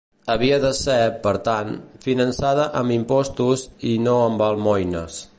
Havia de ser, per tant, finançada amb impostos i no amb almoines.